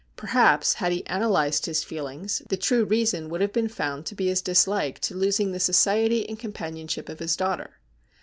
Perhaps, had he analysed his feelings, the true reason would have been found to be his dislike to losing the society and companionship of his daughter.